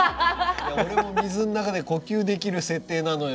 俺も水の中で呼吸できる設定なのよ。